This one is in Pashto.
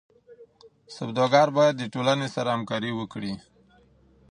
سوداګر باید د ټولنې سره همکاري وکړي.